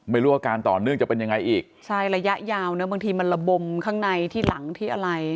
ไม่รู้ว่าการต่อเนื่องจะเป็นยังไงอีกใช่ระยะยาวนะบางทีมันระบมข้างในที่หลังที่อะไร